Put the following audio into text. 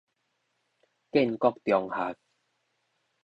建國中學